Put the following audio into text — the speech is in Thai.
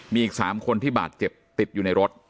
มีอีก๓คนที่บาดเจ็บติดอยู่ในรถ